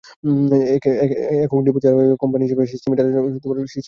একক ডিপো ছাড়া কোম্পানি হিসেবে সামিট অ্যালায়েন্স পোর্ট লিমিটেড সবার শীর্ষে রয়েছে।